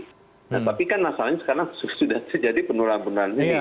nah tapi kan masalahnya sekarang sudah jadi penularan penularan ini